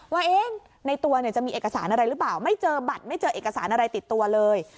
ว่าในตัวจะมีเอกสารอะไรหรือเปล่าไม่เจอบัตรไม่เจอเอกสารอะไรติดตัวเลย